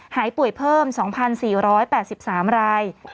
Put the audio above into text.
หายป่วยเพิ่ม๒๔๘๓ราย